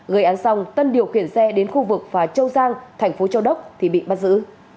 gây án xong tân điều khiển xe đến khu vực phà châu giang thành phố châu đốc thì bị bắt giữ